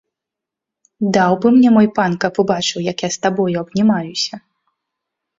Даў бы мне мой пан, каб убачыў, як я з табою абнімаюся!